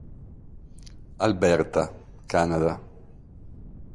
Alberta, Canada.